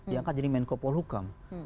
diangkat jadi menko poluka